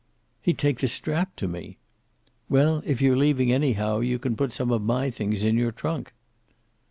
"He'd take the strap to me." "Well, if you're leaving anyhow, you can put some of my things in your trunk."